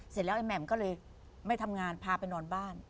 เสร็จแล้วไอ้แหม่มก็เลยไม่ทำงานพาไปนอนบ้าน